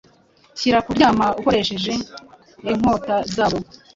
Shyira kuryama ukoresheje inkota zabo